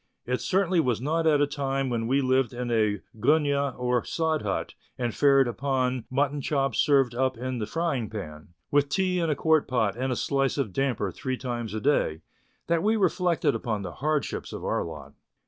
It certainly was not at the time when we lived in a gunyah or sod hut, and fared upon mutton chops served up in the fryingpan, with tea in a quart pot and a slice of damper three times a day, that we reflected upon the hardships of our lot.